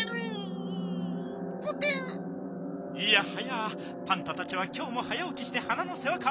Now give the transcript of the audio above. いやはやパンタたちはきょうも早おきして花のせわか？